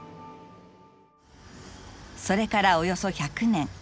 それからおよそ１００年。